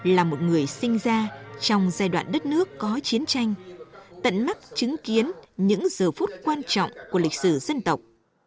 là một người sinh ra trong giai đoạn đất nước có chiến tranh tận mắt chứng kiến những giờ phút quan trọng của lịch sử dân tộc